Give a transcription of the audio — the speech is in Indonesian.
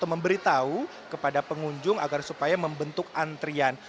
memberitahu kepada pengunjung agar supaya membentuk antrian